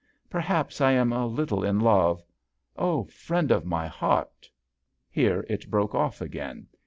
Perhaps I am a little in love. Oh ! friend of my heart " Here it broke off again.